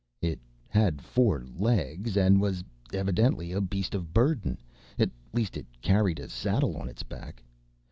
It had four legs, and was evidently a beast of burden. At least, it carried a saddle on its back.